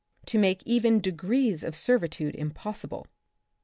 ■■ I ^ to make even degrees of servitude impos sible."